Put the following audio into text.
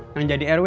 yang jadi rw